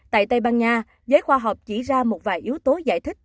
tại tây ban nha giới khoa học chỉ ra một vài yếu tố giải thích